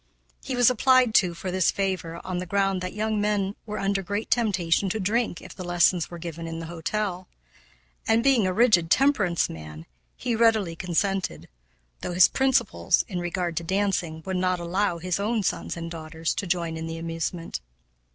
He was applied to for this favor on the ground that young men were under great temptation to drink if the lessons were given in the hotel; and, being a rigid temperance man, he readily consented, though his principles, in regard to dancing, would not allow his own sons and daughters to join in the amusement.